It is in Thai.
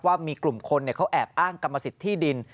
ว่ามีกลุ่มคนเขาแอบอ้างกรรมสิทธิ์ที่ดิน